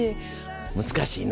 難しいな